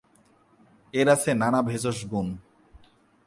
এর আছে নানা ভেষজ গুণ।